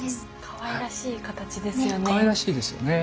かわいらしい形ですよね。